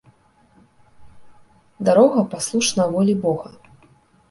Дарога паслушна волі Бога